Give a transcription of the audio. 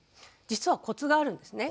実はコツがあるんですね。